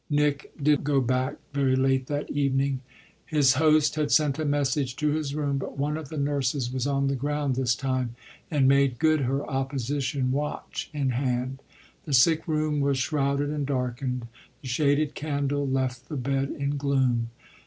Nick did go back very late that evening; his host had sent a message to his room. But one of the nurses was on the ground this time and made good her opposition watch in hand. The sick room was shrouded and darkened; the shaded candle left the bed in gloom.